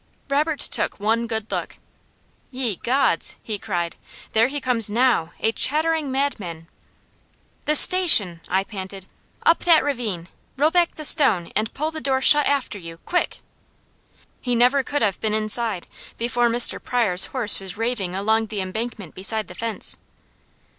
Robert took one good look. "Ye Gods!" he cried. "There he comes now, a chattering madman!" "The Station," I panted. "Up that ravine! Roll back the stone and pull the door shut after you. Quick!" He never could have been inside, before Mr. Pryor's horse was raving along the embankment beside the fence.